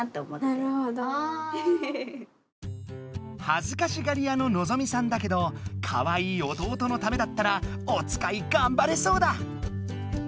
はずかしがり屋ののぞみさんだけどかわいい弟のためだったらおつかいがんばれそうだ！